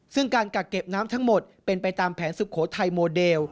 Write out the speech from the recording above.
ซึ่งการกักเก็บน้ำทั้งหมดเป็นไปตามแผนสุโขทัยโมเดล